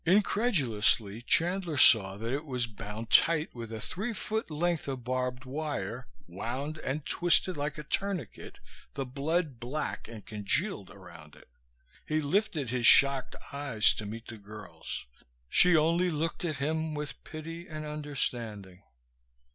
Incredulously, Chandler saw that it was bound tight with a three foot length of barbed wire, wound and twisted like a tourniquet, the blood black and congealed around it. He lifted his shocked eyes to meet the girl's. She only looked at him, with pity and understanding.